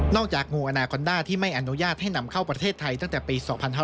งูอนาคอนด้าที่ไม่อนุญาตให้นำเข้าประเทศไทยตั้งแต่ปี๒๕๕๙